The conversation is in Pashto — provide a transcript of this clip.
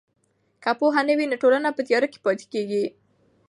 که پوهه نه وي نو ټولنه په تیاره کې پاتې کیږي.